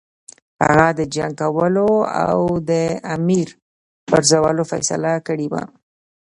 هغه د جنګ کولو او د امیر پرزولو فیصله کړې وه.